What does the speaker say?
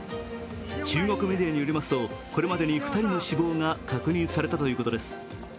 中国メディアによりますとこれまでに２人の死亡が確認されたということです。